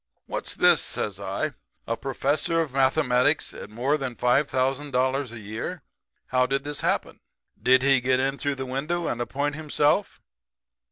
"'What's this,' says I. 'A professor of mathematics at more than $5,000 a year? How did this happen? Did he get in through the window and appoint himself?'